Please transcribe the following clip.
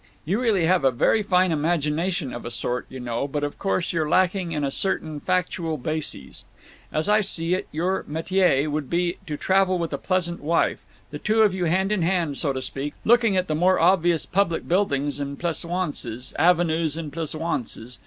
You really have a very fine imagination of a sort, you know, but of course you're lacking in certain factual bases. As I see it, your metier would be to travel with a pleasant wife, the two of you hand in hand, so to speak, looking at the more obvious public buildings and plesaunces—avenues and plesuances.